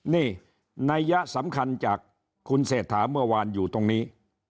นี่นัยยะสำคัญจากคุณเศรษฐาเมื่อวานอยู่ตรงนี้